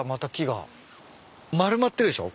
丸まってるでしょ？